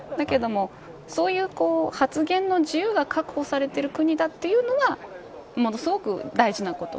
だけども、そういう発言の自由が確保されている国だというのはものすごく大事なこと。